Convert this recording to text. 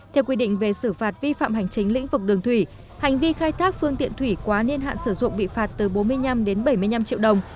theo quy định về xử phạt vi phạm hành chính lĩnh vực đường thủy hành vi khai thác phương tiện thủy quá niên hạn sử dụng bị phạt từ bốn mươi năm đến bảy mươi năm triệu đồng